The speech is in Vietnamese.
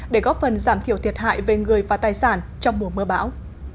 để góp phần giảm thiểu thiệt hại về người và tài sản trong mùa mưa bão